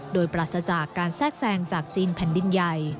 โดยปราศจากการแทรกแทรงจากจีนแผ่นดินใหญ่